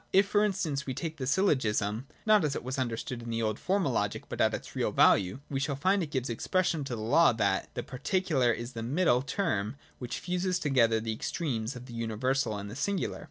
If for instance we take the syllogism (not as it was understood in the old formal logic, but at its real value), we shall find it gives expression to the law that the particular is the middle term which fuses together the extremes of the universal and the singular.